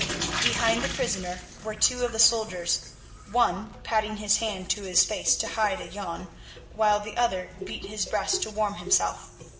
Behind the prisoner were two of the soldiers, one patting his hand to his face to hide a yawn, while the other beat his breast to warm himself.